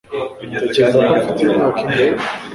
utekereza ko mfite imyaka ingahe